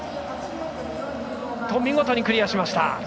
見事にクリアしました。